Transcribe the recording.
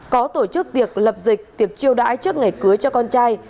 có tổ chức tiệc lập dịch tiệc chiêu đãi trước ngày cưới cho con trai